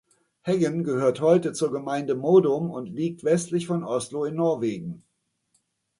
Heggen gehört heute zur Gemeinde Modum und liegt westlich von Oslo in Norwegen.